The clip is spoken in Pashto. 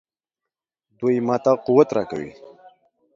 دوی ماته قوت راکوي.